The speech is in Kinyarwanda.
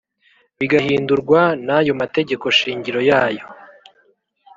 Bigahindurwa n ayo mategeko shingiro yayo